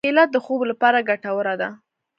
کېله د خوب لپاره ګټوره ده.